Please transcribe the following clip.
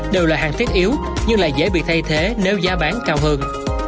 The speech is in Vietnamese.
đều là hàng thiết yếu nhưng lại dễ bị thay thế nếu giá bán cao hơn